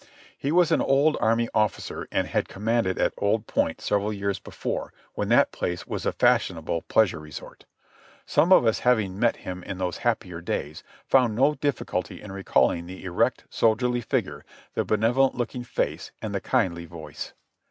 He was an old army officer and had commanded at Old Point several years before, when that place was a fashionable pleasure resort. Some of us having met him in those happier days, found no difficulty in recalling the erect, soldierly figure, the benevolent looking face and the kindly voice.